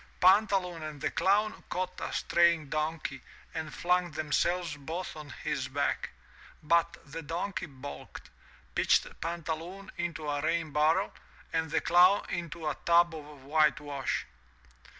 Pantaloon and the Clown caught a straying donkey and flung themselves both on his back, but the donkey balked, pitched Pantaloon into a rain barrel and the Clown into a tub of whitewash.